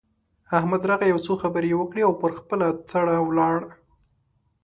احمد راغی؛ يو څو خبرې يې وکړې او پر خپله تړه ولاړ.